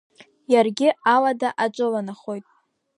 Иаргьы алада аҿыланахоит.